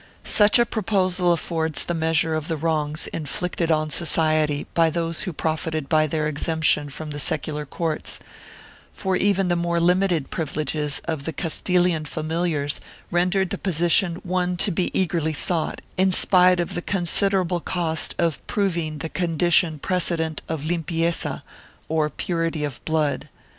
1 Such a proposal affords the measure of the wrongs inflicted on society by those who profited by their exemption from the secular courts, for even the more limited privileges of the Cas tilian familiars rendered the position one to be eagerly sought, in spite of the considerable cost of proving the condition precedent of limpieza, or purity of blood.